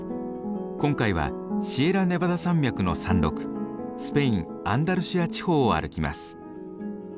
今回はシエラネバダ山脈の山麓スペイン・アンダルシア地方を歩きます。